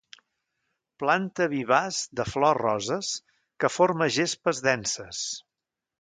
Planta vivaç de flors roses, que forma gespes denses.